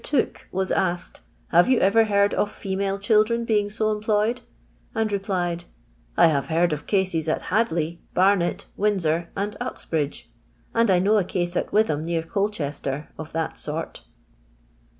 Tooke was asked, " Hare you ever heard of female children being so employed ]" and replied, *• I have heard of caiies at Hadley, Bar net, Windsor, and Uxbridge; and I know a case at Witham, near Colchester, of that sort."